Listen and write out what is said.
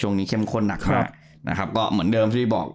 เข้มข้นหนักมากนะครับก็เหมือนเดิมที่บอก